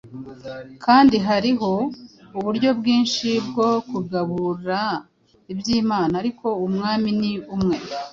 Kandi hariho uburyo bwinshi bwo kugabura iby’Imana, ariko Umwami ni umwe.